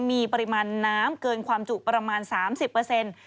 มีปริมาณน้ำเกินความจุประมาณ๓๐เปอร์เซ็นต์